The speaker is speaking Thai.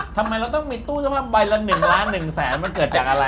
ทำไมเราต้องมีตู้สำหรับใบละ๑ล้าน๑แสนมันเกิดจากอะไร